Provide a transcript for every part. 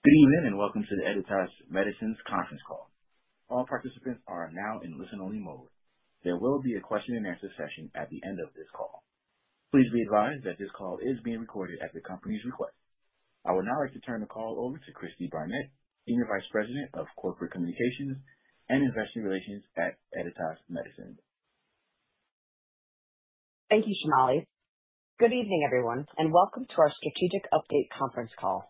Good evening and welcome to the Editas Medicine's conference call. All participants are now in listen-only mode. There will be a question-and-answer session at the end of this call. Please be advised that this call is being recorded at the company's request. I would now like to turn the call over to Cristi Barnett, Senior Vice President of Corporate Communications and Investor Relations at Editas Medicine. Thank you, Shimali. Good evening, everyone, and welcome to our Strategic Update conference call.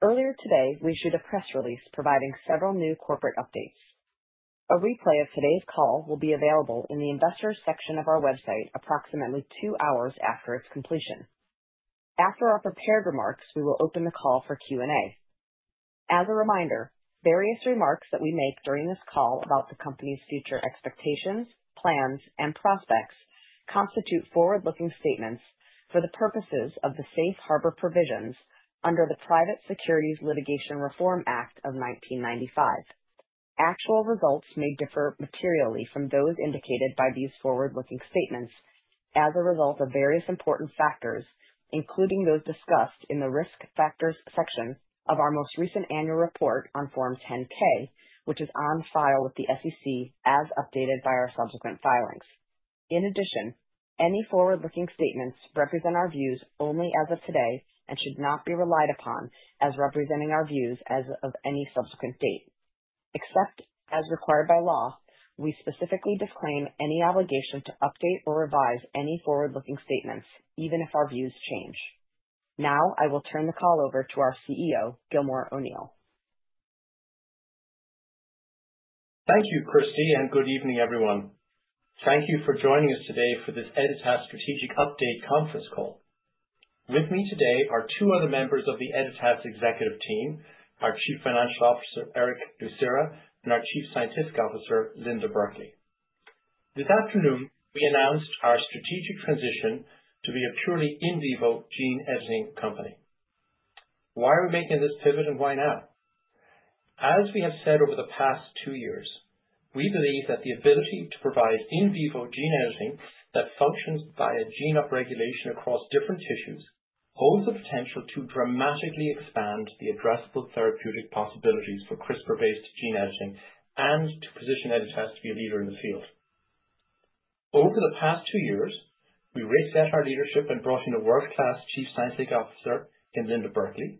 Earlier today, we issued a press release providing several new corporate updates. A replay of today's call will be available in the investor section of our website approximately two hours after its completion. After our prepared remarks, we will open the call for Q&A. As a reminder, various remarks that we make during this call about the company's future expectations, plans, and prospects constitute forward-looking statements for the purposes of the safe harbor provisions under the Private Securities Litigation Reform Act of 1995. Actual results may differ materially from those indicated by these forward-looking statements as a result of various important factors, including those discussed in the risk factors section of our most recent annual report on Form 10-K, which is on file with the SEC as updated by our subsequent filings. In addition, any forward-looking statements represent our views only as of today and should not be relied upon as representing our views as of any subsequent date. Except as required by law, we specifically disclaim any obligation to update or revise any forward-looking statements, even if our views change. Now, I will turn the call over to our CEO, Gilmore O’Neill. Thank you, Cristi, and good evening, everyone. Thank you for joining us today for this Editas Strategic Update conference call. With me today are two other members of the Editas executive team, our Chief Financial Officer, Erick Lucera, and our Chief Scientific Officer, Linda Burkly. This afternoon, we announced our strategic transition to be a purely in vivo gene editing company. Why are we making this pivot, and why now? As we have said over the past two years, we believe that the ability to provide in vivo gene editing that functions by a gene upregulation across different tissues holds the potential to dramatically expand the addressable therapeutic possibilities for CRISPR-based gene editing and to position Editas to be a leader in the field. Over the past two years, we reset our leadership and brought in a world-class Chief Scientific Officer in Linda Burkly.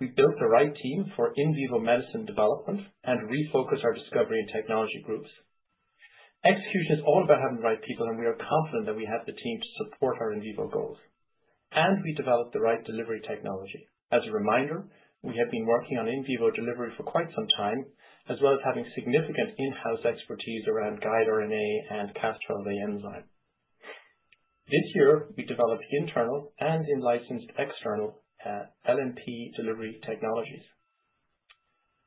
We built the right team for in vivo medicine development and refocused our discovery and technology groups. Execution is all about having the right people, and we are confident that we have the team to support our in vivo goals. We developed the right delivery technology. As a reminder, we have been working on in vivo delivery for quite some time, as well as having significant in-house expertise around guide RNA and Cas12a enzyme. This year, we developed internal and in-licensed external LNP delivery technologies.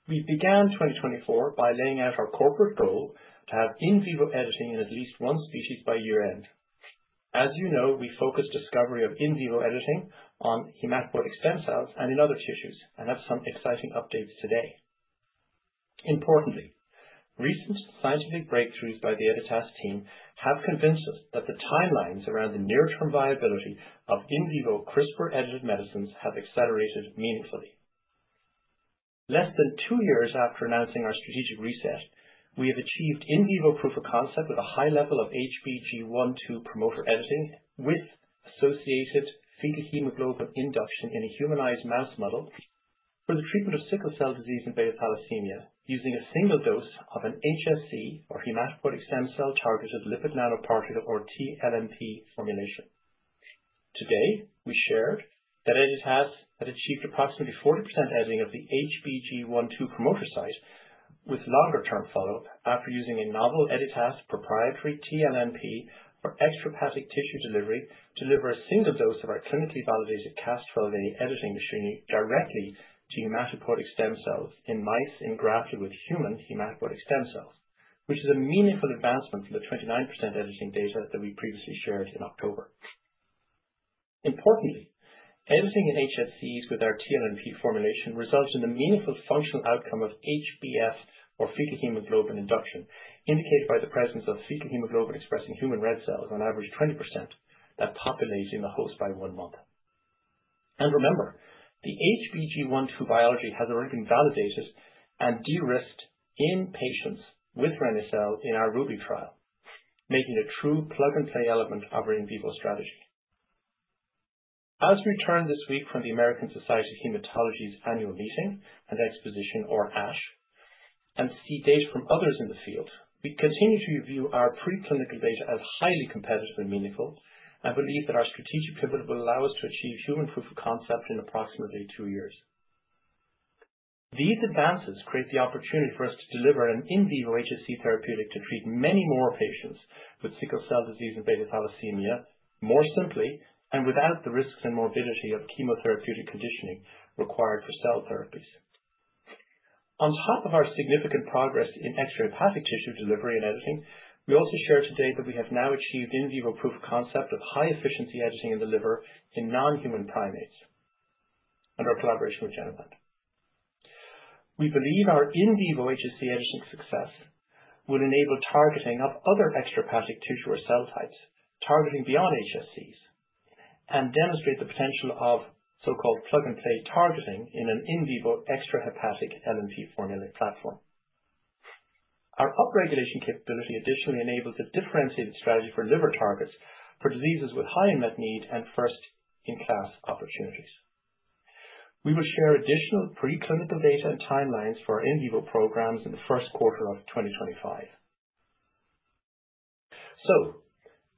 We began 2024 by laying out our corporate goal to have in vivo editing in at least one species by year-end. As you know, we focused discovery of in vivo editing on hematopoietic stem cells and in other tissues and have some exciting updates today. Importantly, recent scientific breakthroughs by the Editas team have convinced us that the timelines around the near-term viability of in vivo CRISPR-edited medicines have accelerated meaningfully. Less than two years after announcing our strategic reset, we have achieved in vivo proof of concept with a high level of HBG1/2 promoter editing with associated fetal hemoglobin induction in a humanized mouse model for the treatment of sickle cell disease and beta thalassemia using a single dose of an HSC, or hematopoietic stem cell targeted lipid nanoparticle, or TLNP formulation. Today, we shared that Editas had achieved approximately 40% editing of the HBG1/2 promoter site with longer-term follow-up after using a novel Editas proprietary TLNP for extrahepatic tissue delivery to deliver a single dose of our clinically validated Cas12a editing machine directly to hematopoietic stem cells in mice engrafted with human hematopoietic stem cells, which is a meaningful advancement from the 29% editing data that we previously shared in October. Importantly, editing in HSCs with our TLNP formulation results in the meaningful functional outcome of HbF, or fetal hemoglobin induction, indicated by the presence of fetal hemoglobin expressing human red cells on average 20% that populates in the host by one month. Remember, the HBG1/2 biology has already been validated and de-risked in patients with reni-cel in our RUBY trial, making it a true plug-and-play element of our in vivo strategy. As we return this week from the American Society of Hematology's annual meeting and exposition, or ASH, and see data from others in the field, we continue to view our preclinical data as highly competitive and meaningful and believe that our strategic pivot will allow us to achieve human proof of concept in approximately two years. These advances create the opportunity for us to deliver an in vivo HSC therapeutic to treat many more patients with sickle cell disease and beta thalassemia more simply and without the risks and morbidity of chemotherapeutic conditioning required for cell therapies. On top of our significant progress in extrahepatic tissue delivery and editing, we also share today that we have now achieved in vivo proof of concept of high-efficiency editing in the liver in non-human primates under collaboration with Genevant. We believe our in vivo HSC editing success will enable targeting of other extrahepatic tissue or cell types, targeting beyond HSCs, and demonstrate the potential of so-called plug-and-play targeting in an in vivo extrahepatic LNP formulated platform. Our upregulation capability additionally enables a differentiated strategy for liver targets for diseases with high unmet need and first-in-class opportunities. We will share additional preclinical data and timelines for our in vivo programs in the first quarter of 2025. So,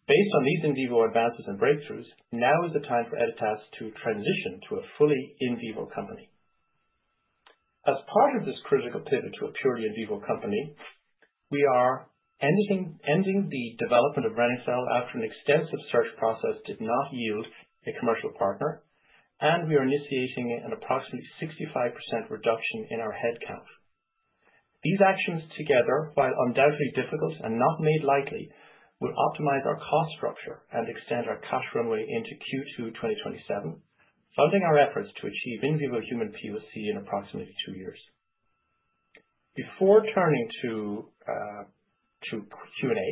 based on these in vivo advances and breakthroughs, now is the time for Editas to transition to a fully in vivo company. As part of this critical pivot to a purely in vivo company, we are ending the development of reni-cel after an extensive search process did not yield a commercial partner, and we are initiating an approximately 65% reduction in our head count. These actions together, while undoubtedly difficult and not made lightly, will optimize our cost structure and extend our cash runway into Q2 2027, funding our efforts to achieve in vivo human POC in approximately two years. Before turning to Q&A,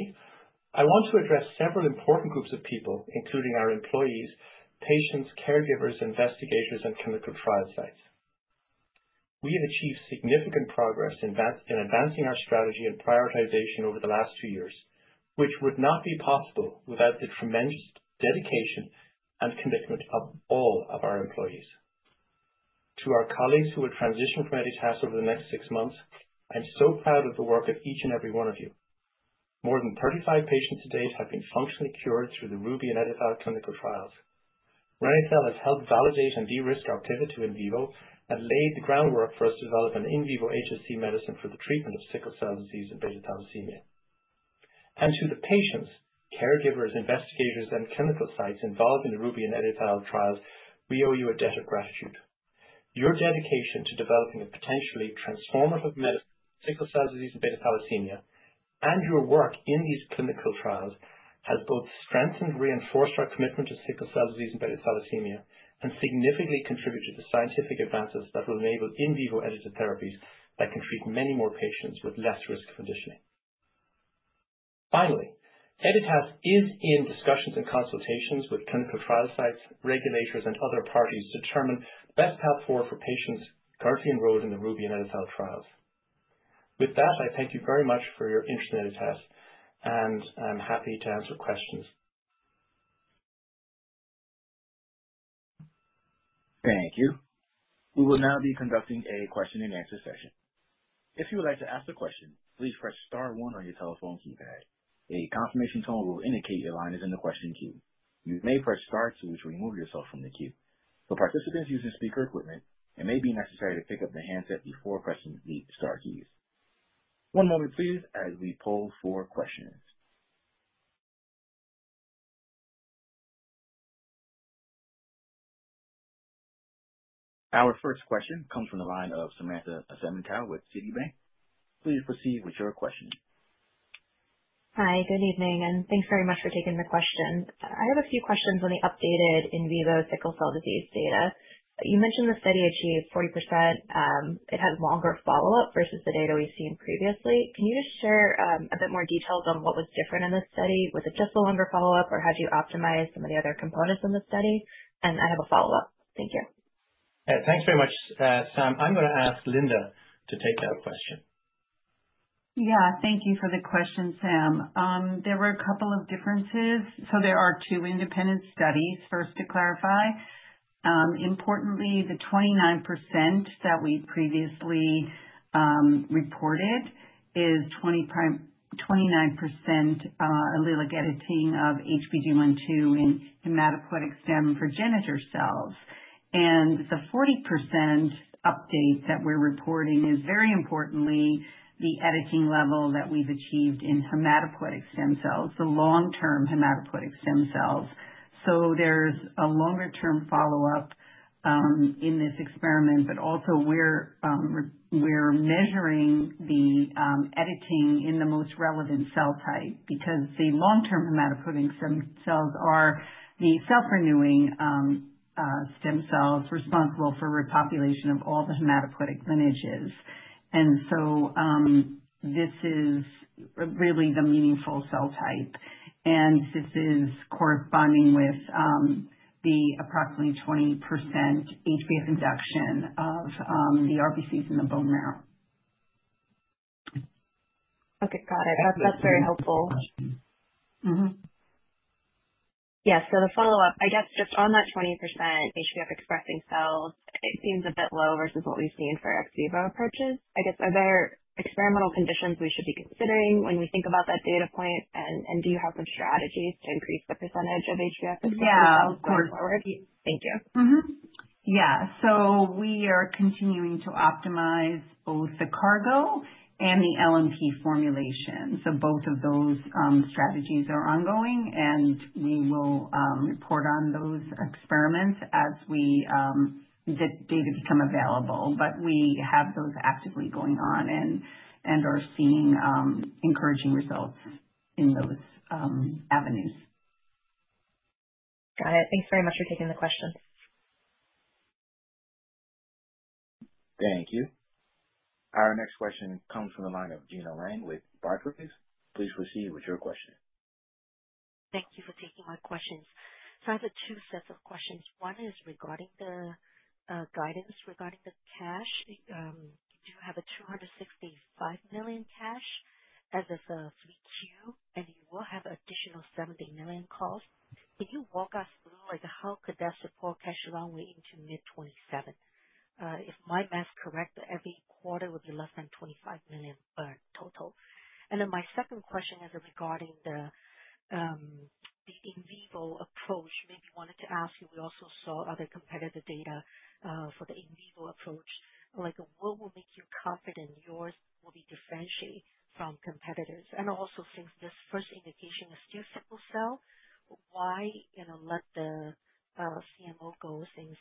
I want to address several important groups of people, including our employees, patients, caregivers, investigators, and clinical trial sites. We have achieved significant progress in advancing our strategy and prioritization over the last two years, which would not be possible without the tremendous dedication and commitment of all of our employees. To our colleagues who will transition from Editas over the next six months, I'm so proud of the work of each and every one of you. More than 35 patients to date have been functionally cured through the RUBY and EdiTHAL clinical trials. reni-cel has helped validate and de-risk our pivot to in vivo and laid the groundwork for us to develop an in vivo HSC medicine for the treatment of sickle cell disease and beta thalassemia. And to the patients, caregivers, investigators, and clinical sites involved in the RUBY and EdiTHAL trials, we owe you a debt of gratitude. Your dedication to developing a potentially transformative medicine for sickle cell disease and beta thalassemia and your work in these clinical trials has both strengthened and reinforced our commitment to sickle cell disease and beta thalassemia and significantly contributed to the scientific advances that will enable in vivo edited therapies that can treat many more patients with less risk of conditioning. Finally, Editas is in discussions and consultations with clinical trial sites, regulators, and other parties to determine the best path forward for patients currently enrolled in the RUBY and EdiTHAL trials. With that, I thank you very much for your interest in Editas, and I'm happy to answer questions. Thank you. We will now be conducting a question-and-answer session. If you would like to ask a question, please press Star 1 on your telephone keypad. A confirmation tone will indicate your line is in the question queue. You may press Star 2 to remove yourself from the queue. For participants using speaker equipment, it may be necessary to pick up the handset before pressing the Star keys. One moment, please, as we poll for questions. Our first question comes from the line of Samantha Semenkow with Citibank. Please proceed with your question. Hi, good evening, and thanks very much for taking the question. I have a few questions on the updated in vivo sickle cell disease data. You mentioned the study achieved 40%. It had longer follow-up versus the data we've seen previously. Can you just share a bit more details on what was different in this study? Was it just the longer follow-up, or had you optimized some of the other components in the study? And I have a follow-up. Thank you. Thanks very much, Sam. I'm going to ask Linda to take that question. Yeah, thank you for the question, Sam. There were a couple of differences, so there are two independent studies, first to clarify. Importantly, the 29% that we previously reported is 29% allelic editing of HBG1/2 in hematopoietic stem and progenitor cells, and the 40% update that we're reporting is very importantly the editing level that we've achieved in hematopoietic stem cells, the long-term hematopoietic stem cells. So there's a longer-term follow-up in this experiment, but also we're measuring the editing in the most relevant cell type because the long-term hematopoietic stem cells are the self-renewing stem cells responsible for repopulation of all the hematopoietic lineages, and so this is really the meaningful cell type, and this is corresponding with the approximately 20% HbF induction of the RBCs in the bone marrow. Okay, got it. That's very helpful. Yeah, so the follow-up, I guess just on that 20% HbF expressing cells, it seems a bit low versus what we've seen for ex vivo approaches. I guess, are there experimental conditions we should be considering when we think about that data point, and do you have some strategies to increase the percentage of HbF expressing cells going forward? Thank you. Yeah, so we are continuing to optimize both the cargo and the LNP formulation. So both of those strategies are ongoing, and we will report on those experiments as the data become available. But we have those actively going on and are seeing encouraging results in those avenues. Got it. Thanks very much for taking the question. Thank you. Our next question comes from the line of Gena Wang with Barclays. Please proceed with your question. Thank you for taking my questions. So I have two sets of questions. One is regarding the guidance regarding the cash. You do have a $265 million cash as of Q3, and you will have additional $70 million calls. Can you walk us through how could that support cash along way into mid-27? If my math's correct, every quarter would be less than $25 million burned total. And then my second question is regarding the in vivo approach. Maybe I wanted to ask you, we also saw other competitor data for the in vivo approach. What will make you confident yours will be differentiated from competitors? And also, since this first indication is still sickle cell, why let the CMO go since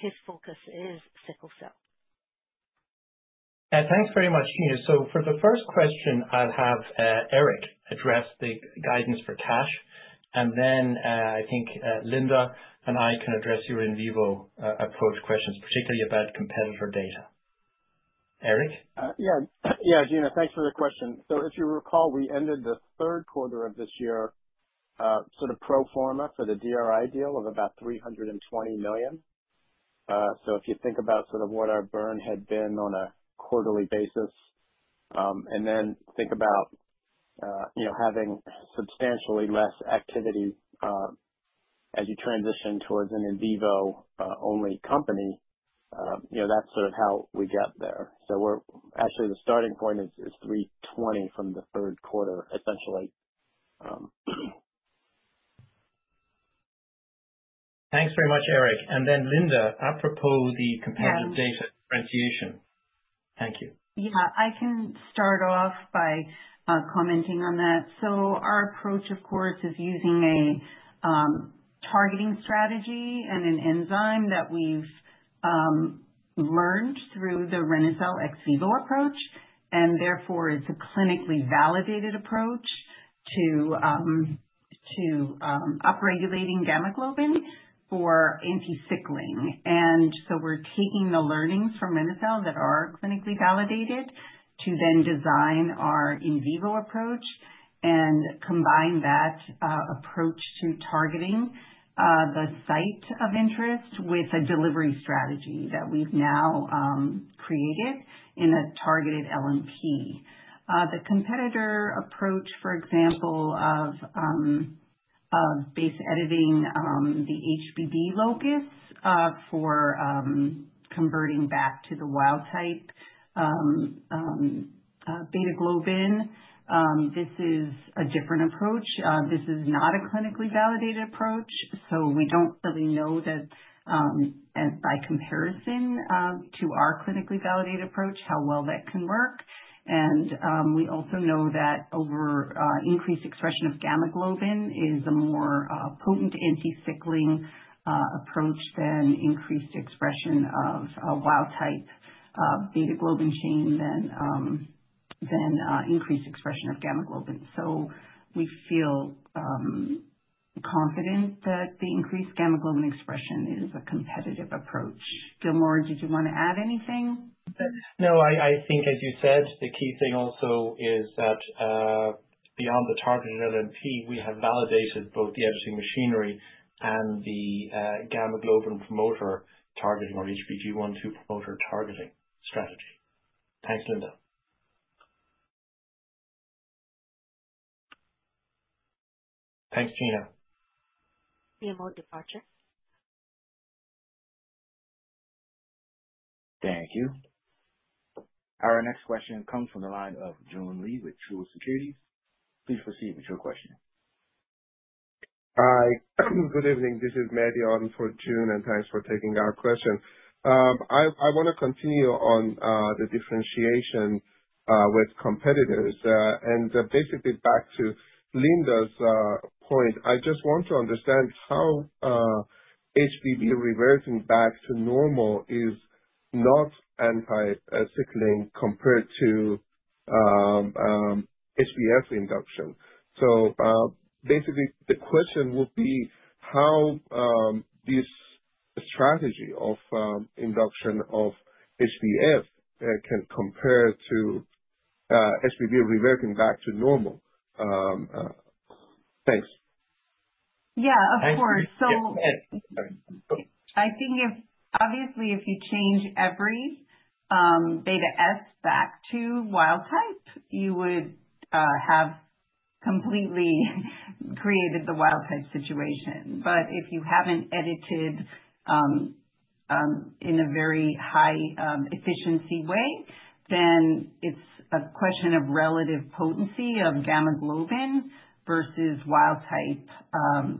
his focus is sickle cell? Thanks very much, Gina. So for the first question, I'll have Eric address the guidance for cash, and then I think Linda and I can address your in vivo approach questions, particularly about competitor data. Eric? Yeah, yeah, Gina, thanks for the question. So if you recall, we ended the third quarter of this year sort of pro forma for the DRI deal of about $320 million. So if you think about sort of what our burn had been on a quarterly basis and then think about having substantially less activity as you transition towards an in vivo-only company, that's sort of how we got there. So actually, the starting point is $320 million from the third quarter, essentially. Thanks very much, Eric. And then, Linda, apropos the competitor data differentiation, thank you. Yeah, I can start off by commenting on that, so our approach, of course, is using a targeting strategy and an enzyme that we've learned through the reni-cel ex vivo approach, and therefore it's a clinically validated approach to upregulating gamma globin for anti-sickling, and so we're taking the learnings from reni-cel that are clinically validated to then design our in vivo approach and combine that approach to targeting the site of interest with a delivery strategy that we've now created in a targeted LNP. The competitor approach, for example, of base editing the HBB locus for converting back to the wild type beta globin, this is a different approach. This is not a clinically validated approach, so we don't really know that by comparison to our clinically validated approach how well that can work. And we also know that increased expression of gamma-globin is a more potent anti-sickling approach than increased expression of wild-type beta-globin chain. So we feel confident that the increased gamma-globin expression is a competitive approach. Gilmore, did you want to add anything? No, I think, as you said, the key thing also is that beyond the targeted LNP, we have validated both the editing machinery and the gamma globin promoter targeting or HBG1/2 promoter targeting strategy. Thanks, Linda. Thanks, Gina. Gilmore departure. Thank you. Our next question comes from the line of Joon Lee with Truist Securities. Please proceed with your question. Hi, good evening. This is Mehdi on for Joon, and thanks for taking our question. I want to continue on the differentiation with competitors. And basically, back to Linda's point, I just want to understand how HBB reverting back to normal is not anti-sickling compared to HbF induction. So basically, the question would be how this strategy of induction of HbF can compare to HBB reverting back to normal. Thanks. Yeah, of course. So I think obviously, if you change every beta S back to wild type, you would have completely created the wild type situation. But if you haven't edited in a very high efficiency way, then it's a question of relative potency of gamma globin versus wild type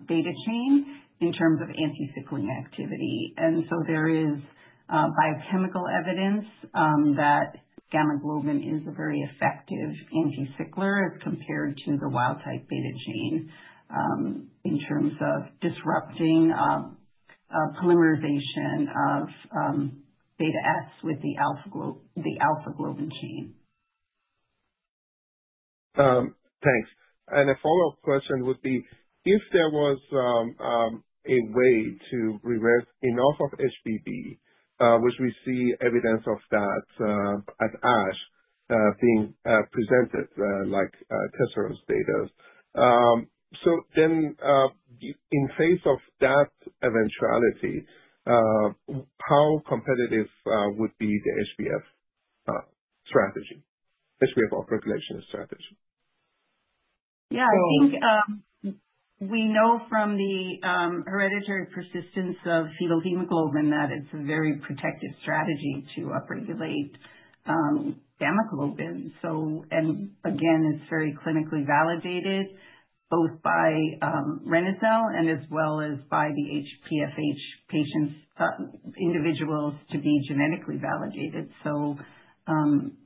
beta chain in terms of anti-sickling activity. And so there is biochemical evidence that gamma globin is a very effective anti-sickling as compared to the wild type beta chain in terms of disrupting polymerization of beta S with the alpha globin chain. Thanks. And a follow-up question would be if there was a way to revert enough of HBB, which we see evidence of that at ASH being presented like Tessera's data. So then in the face of that eventuality, how competitive would be the HbF strategy, HbF upregulation strategy? Yeah, I think we know from the hereditary persistence of fetal hemoglobin that it's a very protective strategy to upregulate gamma globin. And again, it's very clinically validated both by reni-cel and as well as by the HPFH patients, individuals to be genetically validated. So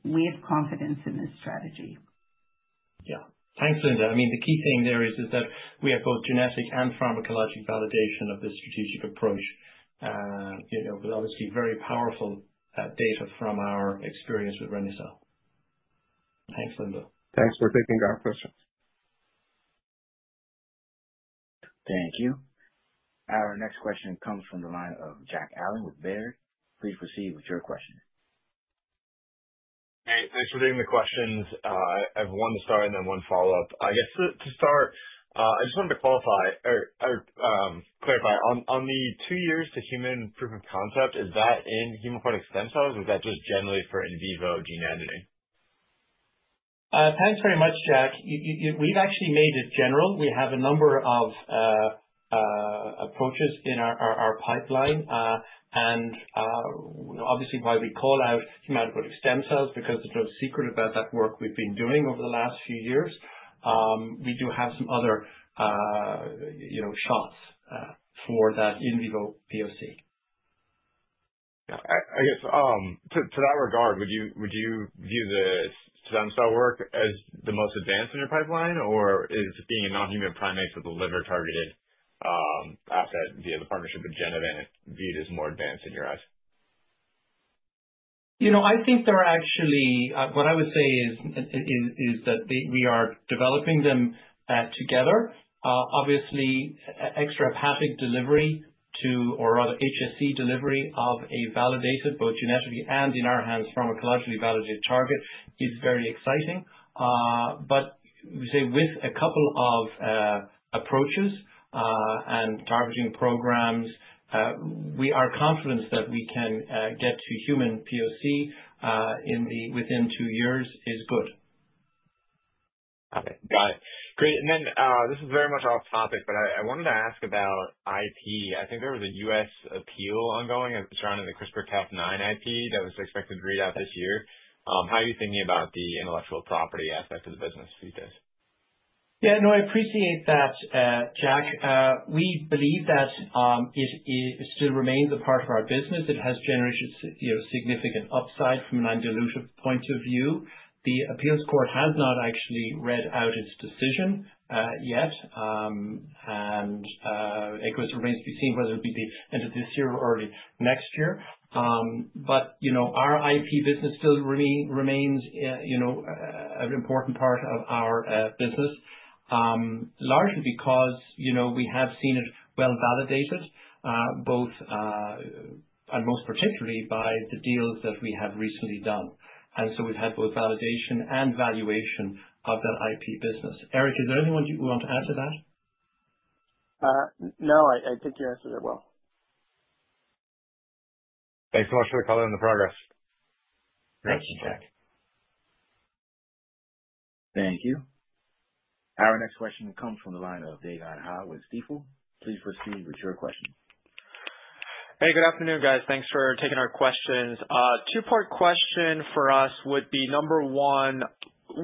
we have confidence in this strategy. Yeah, thanks, Linda. I mean, the key thing there is that we have both genetic and pharmacologic validation of this strategic approach with obviously very powerful data from our experience with reni-cel. Thanks, Linda. Thanks for taking our questions. Thank you. Our next question comes from the line of Jack Allen with Baird. Please proceed with your question. Hey, thanks for taking the questions. I have one to start and then one follow-up. I guess to start, I just wanted to clarify on the two years to human proof of concept, is that in hematopoietic stem cells or is that just generally for in vivo gene editing? Thanks very much, Jack. We've actually made it general. We have a number of approaches in our pipeline. And obviously, why we call out hematopoietic stem cells because of the success of that work we've been doing over the last few years. We do have some other shots for that in vivo POC. I guess to that regard, would you view the stem cell work as the most advanced in your pipeline, or is being a non-human primate with a liver-targeted asset via the partnership with Genevant viewed as more advanced in your eyes? I think they're actually what I would say is that we are developing them together. Obviously, extrahepatic delivery or HSC delivery of a validated both genetically and in our hands pharmacologically validated target is very exciting. But we say with a couple of approaches and targeting programs, we are confident that we can get to human POC within two years is good. Got it. Got it. Great. And then this is very much off topic, but I wanted to ask about IP. I think there was a U.S. appeal ongoing surrounding the CRISPR-Cas9 IP that was expected to read out this year. How are you thinking about the intellectual property aspect of the business these days? Yeah, no, I appreciate that, Jack. We believe that it still remains a part of our business. It has generated significant upside from an undiluted point of view. The appeals court has not actually read out its decision yet, and it remains to be seen whether it'll be the end of this year or early next year. But our IP business still remains an important part of our business, largely because we have seen it well validated, and most particularly by the deals that we have recently done. And so we've had both validation and valuation of that IP business. Eric, is there anything you want to add to that? No, I think you answered it well. Thanks so much for the color and the progress. Thank you. Thank you. Our next question comes from the line of Dae Gon Ha with Stifel. Please proceed with your question. Hey, good afternoon, guys. Thanks for taking our questions. Two-part question for us would be number one,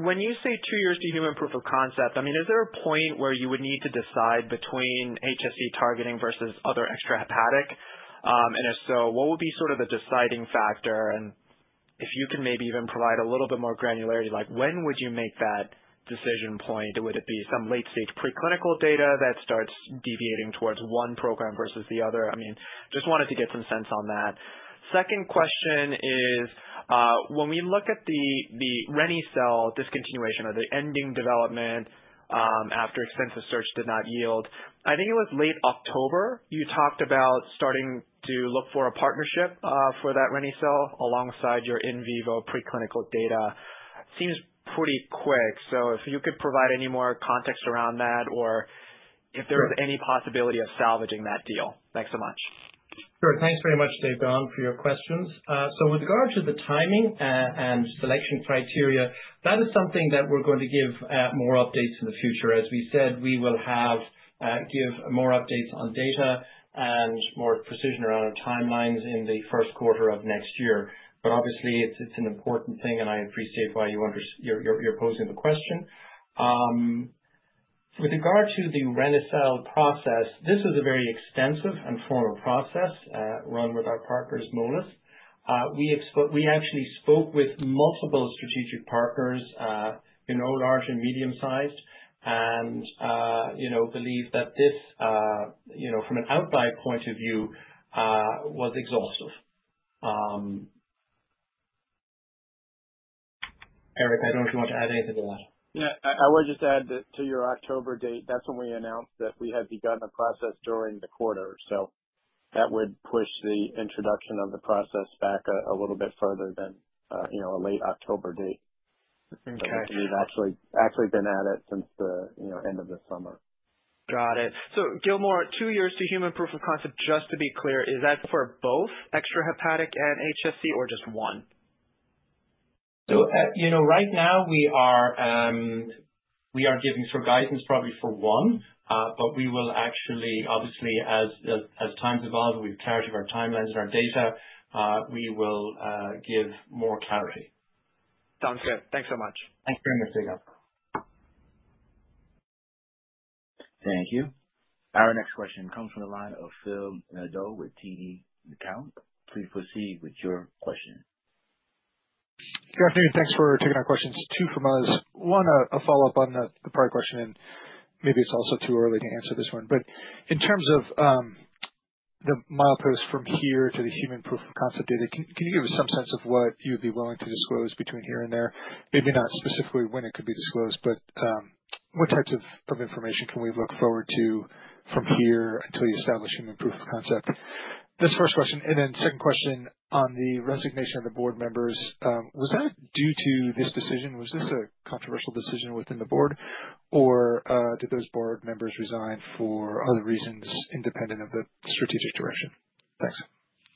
when you say two years to human proof of concept, I mean, is there a point where you would need to decide between HSC targeting versus other extrahepatic? And if so, what would be sort of the deciding factor? And if you can maybe even provide a little bit more granularity, when would you make that decision point? Would it be some late-stage preclinical data that starts deviating towards one program versus the other? I mean, just wanted to get some sense on that. Second question is, when we look at the reni-cel discontinuation or the ending development after extensive search did not yield, I think it was late October, you talked about starting to look for a partnership for that reni-cel alongside your in vivo preclinical data. Seems pretty quick. So if you could provide any more context around that or if there is any possibility of salvaging that deal? Thanks so much. Sure. Thanks very much, Dae Gon, for your questions. So with regard to the timing and selection criteria, that is something that we're going to give more updates in the future. As we said, we will give more updates on data and more precision around our timelines in the first quarter of next year. But obviously, it's an important thing, and I appreciate why you're posing the question. With regard to the reni-cel process, this is a very extensive and formal process run with our partners, Moelis. We actually spoke with multiple strategic partners, large and medium-sized, and believe that this, from a buyout point of view, was exhaustive. Eric, I don't know if you want to add anything to that. Yeah, I would just add to your October date, that's when we announced that we had begun the process during the quarter, so that would push the introduction of the process back a little bit further than a late October date. We've actually been at it since the end of the summer. Got it. So Gilmore, two years to human proof of concept, just to be clear, is that for both extrahepatic and HSC or just one? So right now, we are giving some guidance probably for one, but we will actually, obviously, as times evolve, we've clarified our timelines and our data, we will give more clarity. Sounds good. Thanks so much. Thanks very much, David. Thank you. Our next question comes from the line of Phil Nadeau with TD Cowen. Please proceed with your question. Good afternoon. Thanks for taking our questions. Two from us. One, a follow-up on the prior question, and maybe it's also too early to answer this one. But in terms of the milestone from here to the human proof of concept data, can you give us some sense of what you'd be willing to disclose between here and there? Maybe not specifically when it could be disclosed, but what types of information can we look forward to from here until you establish human proof of concept? This first question, and then second question on the resignation of the board members, was that due to this decision? Was this a controversial decision within the board, or did those board members resign for other reasons independent of the strategic direction? Thanks.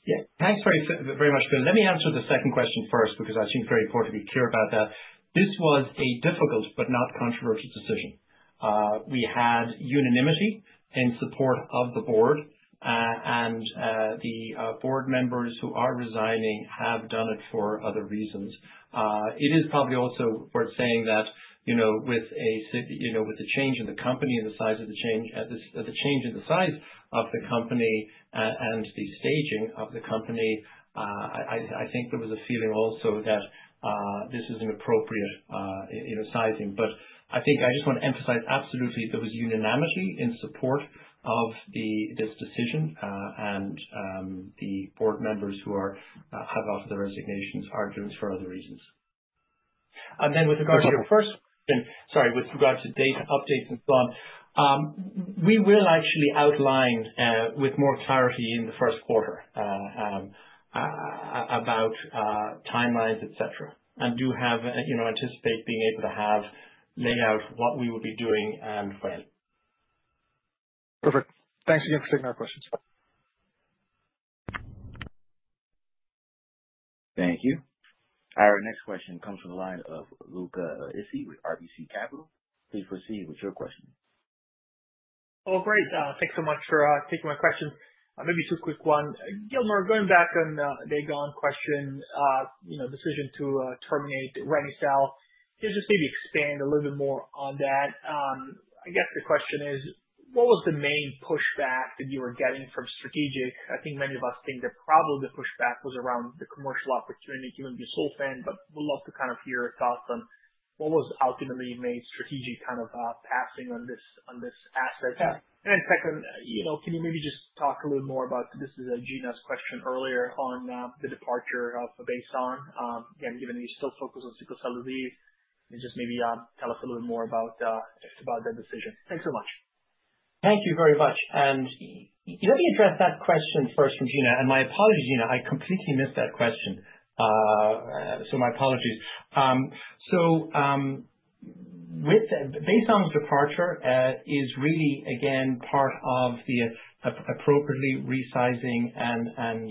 Yeah, thanks very much, Phil. Let me answer the second question first because I think it's very important to be clear about that. This was a difficult but not controversial decision. We had unanimity in support of the board, and the board members who are resigning have done it for other reasons. It is probably also worth saying that with the change in the company and the size of the change, the change in the size of the company and the staging of the company, I think there was a feeling also that this is an appropriate sizing. But I think I just want to emphasize absolutely there was unanimity in support of this decision, and the board members who have offered their resignations are doing it for other reasons. And then with regard to your first question, sorry, with regard to data updates and so on, we will actually outline with more clarity in the first quarter about timelines, etc., and do anticipate being able to lay out what we will be doing and when. Perfect. Thanks again for taking our questions. Thank you. Our next question comes from the line of Luca Issi with RBC Capital. Please proceed with your question. Oh, great. Thanks so much for taking my questions. Maybe two quick ones. Gilmore, going back on Dae Gon's question, decision to terminate reni-cel, just maybe expand a little bit more on that. I guess the question is, what was the main pushback that you were getting from strategic? I think many of us think that probably the pushback was around the commercial opportunity, given your busulfan, but we'd love to kind of hear your thoughts on what was ultimately made strategic kind of passing on this asset. And then second, can you maybe just talk a little more about this? This is Gina's question earlier on the departure of Baisong, given you still focus on sickle cell disease? And just maybe tell us a little bit more about that decision. Thanks so much. Thank you very much, and let me address that question first from Gina, and my apologies, Gina. I completely missed that question, so my apologies. Baisong's departure is really, again, part of the appropriately right-sizing and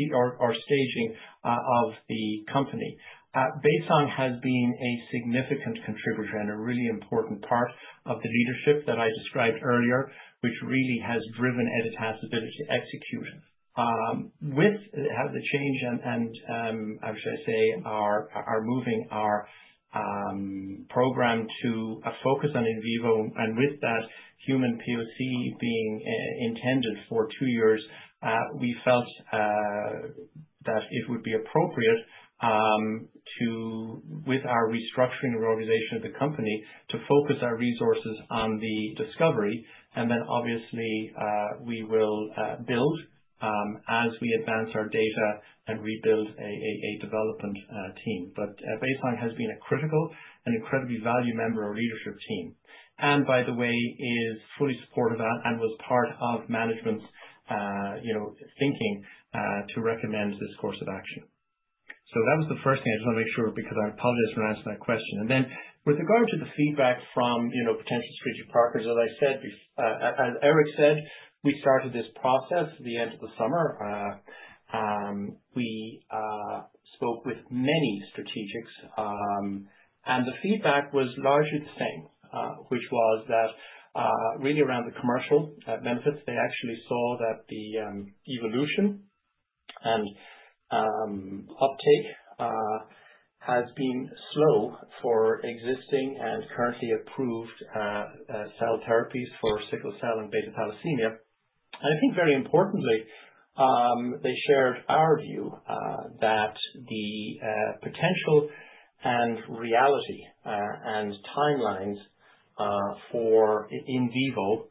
staging of the company. Baisong has been a significant contributor and a really important part of the leadership that I described earlier, which really has driven Editas' ability to execute. With the change and, I should say, our moving our program to focus on in vivo, and with that human POC being intended for two years, we felt that it would be appropriate with our restructuring and reorganization of the company to focus our resources on the discovery, and then obviously, we will build as we advance our data and rebuild a development team, but Baisong has been a critical and incredibly valued member of our leadership team. By the way, it is fully supportive and was part of management's thinking to recommend this course of action. So that was the first thing I just want to make sure because I apologize for answering that question. Then with regard to the feedback from potential strategic partners, as I said, as Eric said, we started this process at the end of the summer. We spoke with many strategics, and the feedback was largely the same, which was that really around the commercial benefits, they actually saw that the evolution and uptake has been slow for existing and currently approved cell therapies for sickle cell and beta thalassemia. And I think very importantly, they shared our view that the potential and reality and timelines for in vivo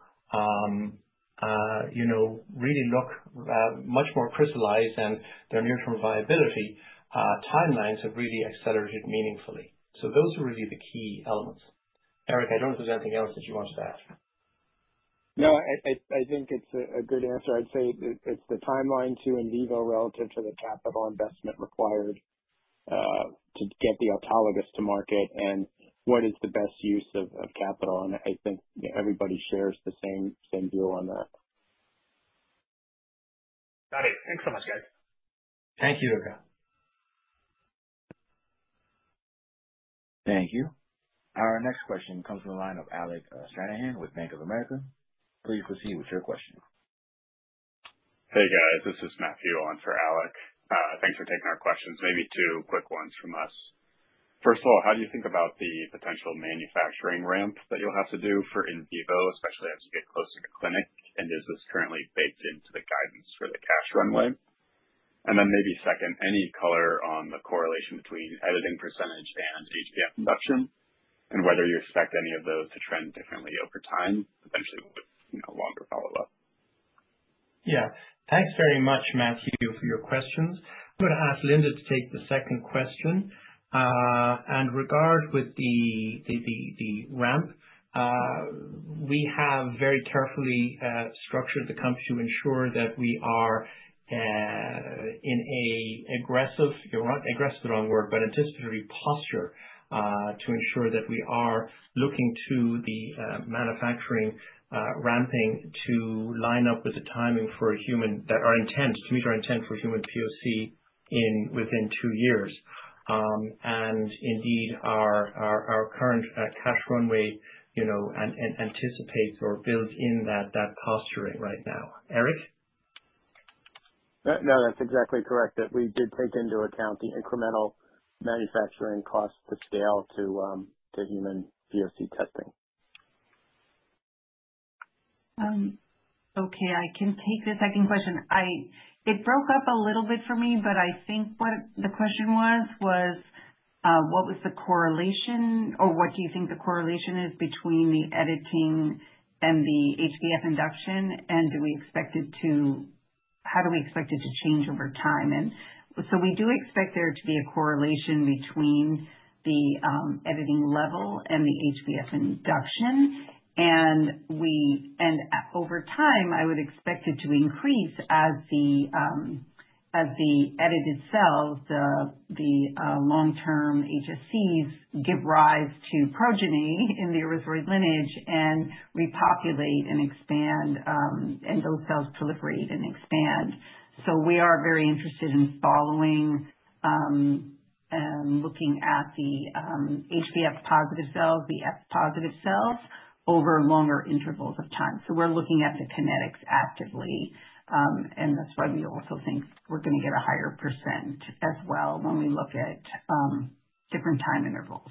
really look much more crystallized, and their near-term viability timelines have really accelerated meaningfully. So those are really the key elements. Eric, I don't know if there's anything else that you wanted to add. No, I think it's a good answer. I'd say it's the timeline to in vivo relative to the capital investment required to get the autologous to market and what is the best use of capital. And I think everybody shares the same view on that. Got it. Thanks so much, guys. Thank you, Luca. Thank you. Our next question comes from the line of Alec Stranahan with Bank of America. Please proceed with your question. Hey, guys. This is Matthew on for Alec. Thanks for taking our questions. Maybe two quick ones from us. First of all, how do you think about the potential manufacturing ramp that you'll have to do for in vivo, especially as you get closer to clinic? And is this currently baked into the guidance for the cash runway? And then maybe second, any color on the correlation between editing percentage and HbF production and whether you expect any of those to trend differently over time, eventually with longer follow-up? Yeah. Thanks very much, Matthew, for your questions. I'm going to ask Linda to take the second question. And regarding the ramp, we have very carefully structured the company to ensure that we are in an aggressive, aggressive is the wrong word, but anticipatory posture to ensure that we are looking to the manufacturing ramping to line up with the timing for human, our intent to meet our intent for human POC within two years. And indeed, our current cash runway anticipates or builds in that posturing right now. Eric? No, that's exactly correct, that we did take into account the incremental manufacturing costs to scale to human POC testing. Okay, I can take the second question. It broke up a little bit for me, but I think what the question was, was what was the correlation or what do you think the correlation is between the editing and the HbF induction? And do we expect it to, how do we expect it to change over time? And so we do expect there to be a correlation between the editing level and the HbF induction. And over time, I would expect it to increase as the edited cells, the long-term HSCs give rise to progeny in the erythroid lineage and repopulate and expand, and those cells proliferate and expand. So we are very interested in following and looking at the HbF positive cells, the F positive cells over longer intervals of time. So we're looking at the kinetics actively, and that's why we also think we're going to get a higher percent as well when we look at different time intervals.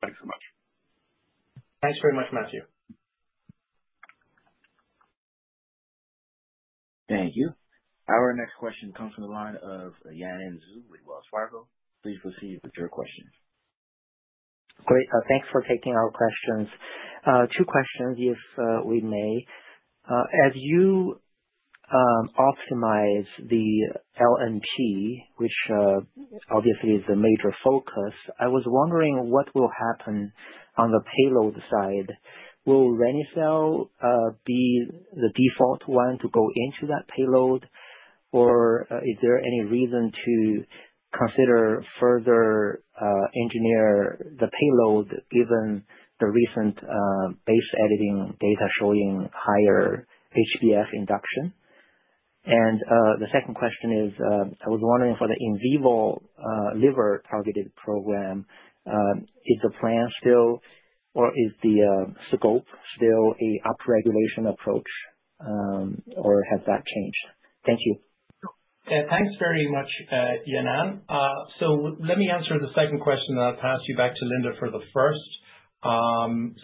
Thanks so much. Thanks very much, Matthew. Thank you. Our next question comes from the line of Yanan Zhu in Wells Fargo. Please proceed with your question. Great. Thanks for taking our questions. Two questions, if we may. As you optimize the LNP, which obviously is the major focus, I was wondering what will happen on the payload side. Will reni-cel be the default one to go into that payload, or is there any reason to consider further engineering the payload given the recent base editing data showing higher HbF induction? And the second question is, I was wondering for the in vivo liver-targeted program, is the plan still, or is the scope still an upregulation approach, or has that changed? Thank you. Thanks very much, Yanan. So let me answer the second question, and I'll pass you back to Linda for the first.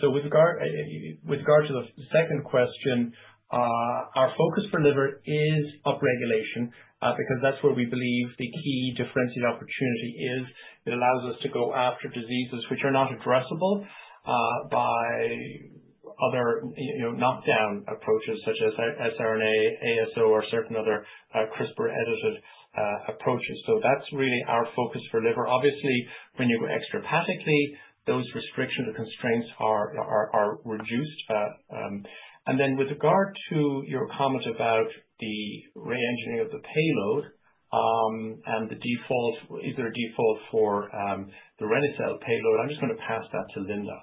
So with regard to the second question, our focus for liver is upregulation because that's where we believe the key differentiated opportunity is. It allows us to go after diseases which are not addressable by other knockdown approaches such as siRNA, ASO, or certain other CRISPR-edited approaches. So that's really our focus for liver. Obviously, when you go extrahepatically, those restrictions or constraints are reduced. And then with regard to your comment about the re-engineering of the payload and the default, is there a default for the Reni-cel payload? I'm just going to pass that to Linda.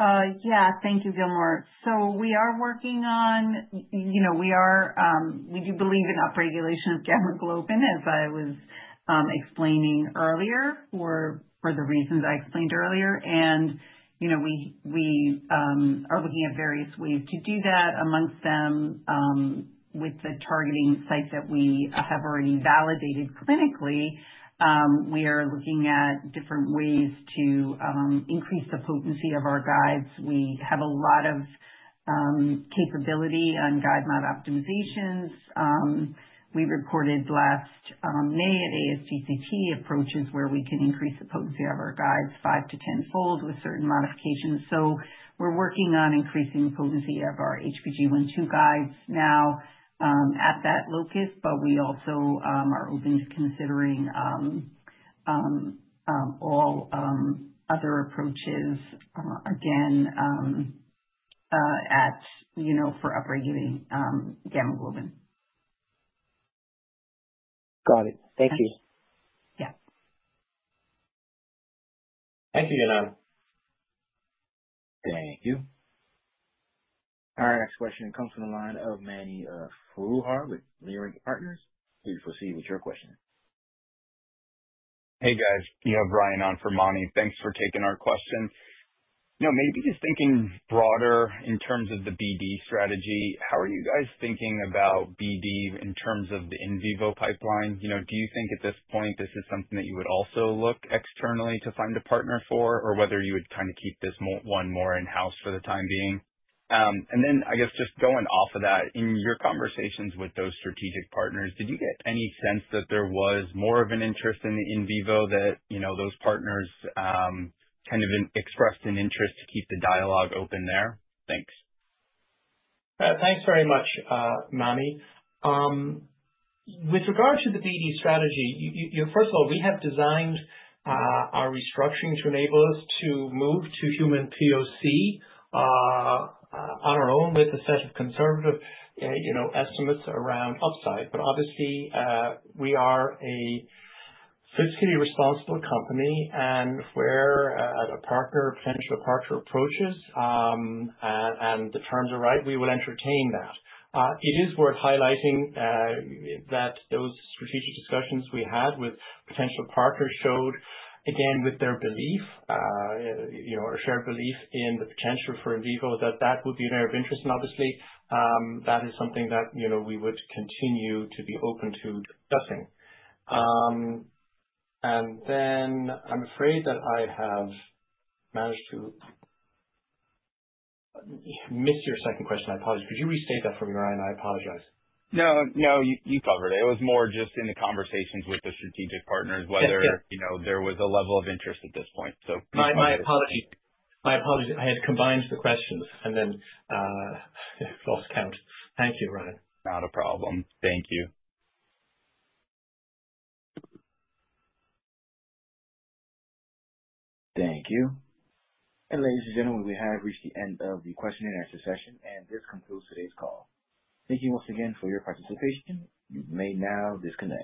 Yeah, thank you, Gilmore. So we are working on. We do believe in upregulation of gamma globin, as I was explaining earlier, for the reasons I explained earlier. And we are looking at various ways to do that. Amongst them, with the targeting sites that we have already validated clinically, we are looking at different ways to increase the potency of our guides. We have a lot of capability on guide mod optimizations. We recorded last May at ASGCT approaches where we can increase the potency of our guides five to tenfold with certain modifications. So we're working on increasing the potency of our HBG1/2 guides now at that locus, but we also are open to considering all other approaches, again, for upregulating gamma globin. Got it. Thank you. Yeah. Thank you, Yanan. Thank you. Our next question comes from the line of Mani Foroohar with Leerink Partners. Please proceed with your question. Hey, guys. Brian on for Mani. Thanks for taking our question. Maybe just thinking broader in terms of the BD strategy, how are you guys thinking about BD in terms of the in vivo pipeline? Do you think at this point this is something that you would also look externally to find a partner for, or whether you would kind of keep this one more in-house for the time being? And then I guess just going off of that, in your conversations with those strategic partners, did you get any sense that there was more of an interest in the in vivo that those partners kind of expressed an interest to keep the dialogue open there? Thanks. Thanks very much, Mani. With regard to the BD strategy, first of all, we have designed our restructuring to enable us to move to human POC on our own with a set of conservative estimates around upside, but obviously, we are a fiscally responsible company, and if we're at a partner, potential partner approaches, and the terms are right, we will entertain that. It is worth highlighting that those strategic discussions we had with potential partners showed, again, with their belief or shared belief in the potential for in vivo, that that would be an area of interest, and obviously, that is something that we would continue to be open to discussing, and then I'm afraid that I have managed to miss your second question. I apologize. Could you restate that for me, Ryan? I apologize. No, no, you covered it. It was more just in the conversations with the strategic partners, whether there was a level of interest at this point. My apologies. I had combined the questions, and then I lost count. Thank you, Ryan. Not a problem. Thank you. Thank you. And ladies and gentlemen, we have reached the end of the question and answer session, and this concludes today's call. Thank you once again for your participation. You may now disconnect.